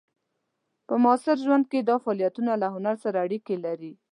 په معاصر ژوند کې دا فعالیتونه له هنر سره اړیکې لري.